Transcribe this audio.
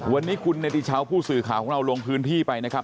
วันนี้คุณเนติชาวผู้สื่อข่าวของเราลงพื้นที่ไปนะครับ